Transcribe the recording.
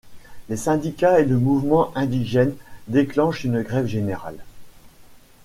Les syndicats et le mouvement indigène déclenchent une grève générale.